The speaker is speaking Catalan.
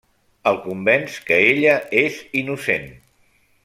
El convenç que ella és innocent.